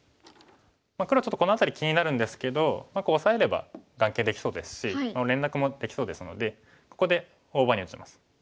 黒はちょっとこの辺り気になるんですけどこうオサえれば眼形できそうですし連絡もできそうですのでここで大場に打ちます。